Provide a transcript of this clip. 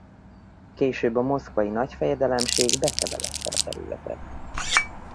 Később a Moszkvai Nagyfejedelemség bekebelezte a területet.